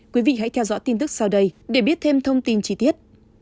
quý vị hãy theo dõi tin tức sau đây để biết thêm thông tin chi tiết